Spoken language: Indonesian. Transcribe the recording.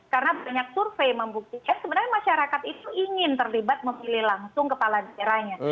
karena banyak survei membuktikan sebenarnya masyarakat itu ingin terlibat memilih langsung kepala diranya